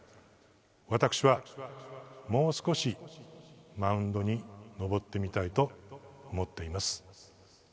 私は、もう少しマウンドに上ってみたいと思っています。